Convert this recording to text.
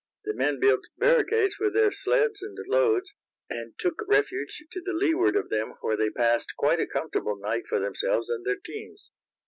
The men built barricades with their sleds and loads, and took refuge to the leeward of them, where they passed quite a comfortable night for themselves and their teams.